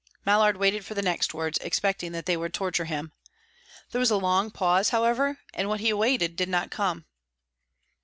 Mallard waited for the next words, expecting that they would torture him. There was a long pause, however, and what he awaited did not come.